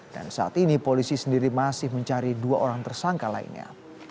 dan saat ini polisi sendiri masih mencari dua orang tersangka lainnya